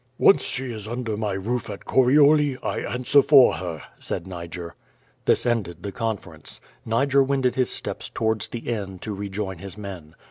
"Once she is under my roof at Corioli, I answer for her," said Niger. This ended the conference. Niger wended his steps to wards the inn to rejoin his men.